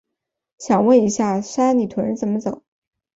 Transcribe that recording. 想问一下，三里屯该怎么走？